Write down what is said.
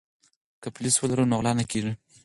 که پولیس ولرو نو غلا نه کیږي.